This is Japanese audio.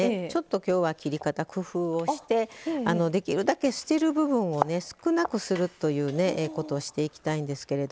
きょうは切り方、工夫をしてできるだけ捨てる部分を少なくするということをしていこうと思うんですけど。